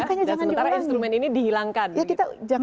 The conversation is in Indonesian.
dan sementara instrumen ini dihilangkan